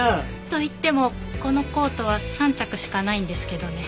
といってもこのコートは３着しかないんですけどね。